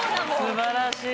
素晴らしい！